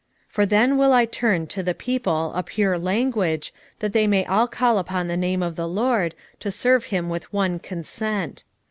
3:9 For then will I turn to the people a pure language, that they may all call upon the name of the LORD, to serve him with one consent.